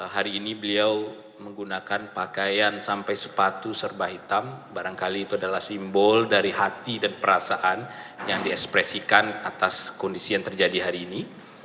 hari ini beliau menggunakan pakaian sampai sepatu serba hitam barangkali itu adalah simbol dari hati dan perasaan yang diekspresikan atas kondisi yang terjadi hari ini